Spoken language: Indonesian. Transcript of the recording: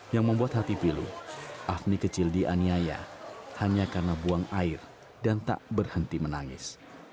yang membuat hati pilu afni kecil dianiaya hanya karena buang air dan tak berhenti menangis